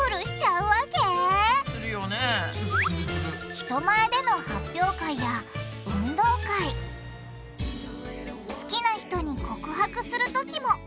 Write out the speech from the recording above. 人前での発表会や運動会好きな人に告白するときも！